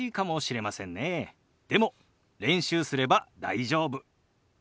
でも練習すれば大丈夫。